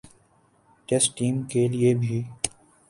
test team کے لیے بھی